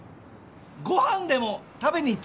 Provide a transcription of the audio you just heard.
ご飯でも食べに行っちゃう？